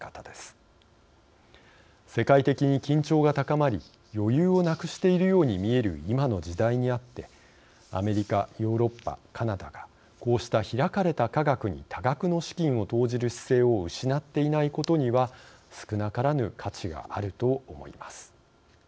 世界的に緊張が高まり余裕をなくしているように見える今の時代にあってアメリカヨーロッパカナダがこうした開かれた科学に多額の資金を投じる姿勢を失っていないことには少なからぬ価値があると思います。